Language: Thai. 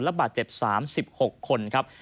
บาดเจ็บ๓๖คนครับ